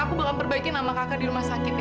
aku bakal perbaiki nama kakak di rumah sakit ya